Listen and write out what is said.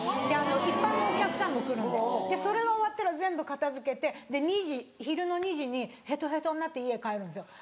一般のお客さんも来るんででそれが終わったら全部片付けて昼の２時にヘトヘトになって家に帰るんすよ。